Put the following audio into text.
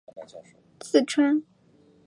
四川农村的道路和水塘旁常能见到石敢当。